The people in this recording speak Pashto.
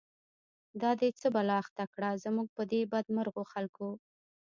دا دی څه بلا اخته کړه، زمونږ په دی بد مرغوخلکو